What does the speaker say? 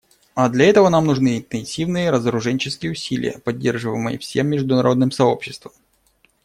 А для этого нам нужны интенсивные разоруженческие усилия, поддерживаемые всем международным сообществом.